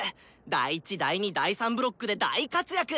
第１第２第３ブロックで大活躍！